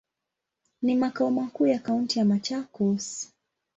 Ni makao makuu ya kaunti ya Machakos.